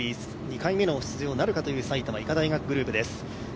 ２年ぶり２回目の出場なるかという埼玉医科大学グループです。